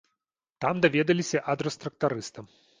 Там даведаліся адрас трактарыста.